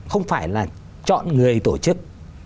không phải là chọn người tổ chức